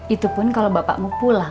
itu pun kalau bapakmu pulang